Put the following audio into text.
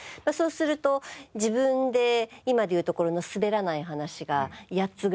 そうすると自分で今でいうところのすべらない話が８つぐらいできて